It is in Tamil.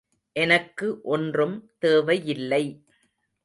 எனக்கு ஒன்றும் தேவையில்லை.